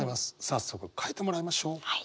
早速書いてもらいましょう。